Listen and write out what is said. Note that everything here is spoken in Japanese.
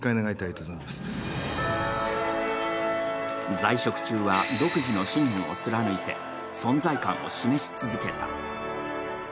在職中は独自の信念を貫いて存在感を示し続けた。